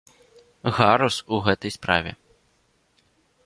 Гарус у гэтай справе!